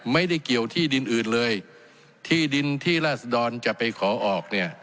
ไม่ได้เกี่ยวที่ดินอื่นเลยที่ดินที่ราศดรจะไปขอออกเนี่ย